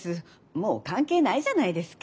もう関係ないじゃないですか。